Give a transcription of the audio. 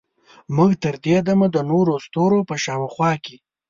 موږ تر دې دمه د نورو ستورو په شاوخوا کې